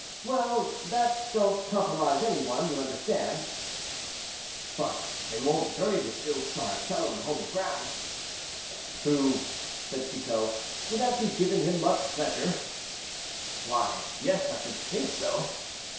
"Well, that don't compromise any one, you understand." "But they won't bury this ill starred fellow in holy ground." "Pooh," said Chicot, "will that be giving him much pleasure?" "Why, yes, I should think so."